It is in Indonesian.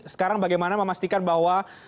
sekarang bagaimana memastikan bahwa